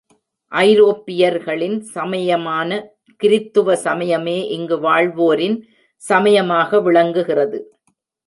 ஐரோப்பியர்களின் சமயமான கிருத்துவ சமயமே இங்கு வாழ்வோரின் சமயமாக விளங்குகிறது.